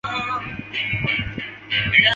庞毕度中心内部包括公共资讯图书馆。